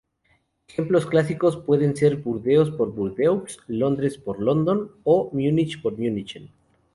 Ejemplos clásicos pueden ser Burdeos por "Bordeaux", Londres por "London" o Múnich por "München".